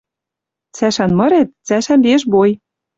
Цӓшӓн мырет — цӓшӓн лиэш бой.